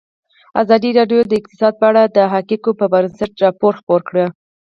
ازادي راډیو د اقتصاد په اړه د حقایقو پر بنسټ راپور خپور کړی.